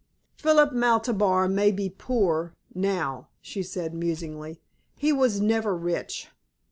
"Philip Maltabar may be poor now," she said musingly. "He was never rich."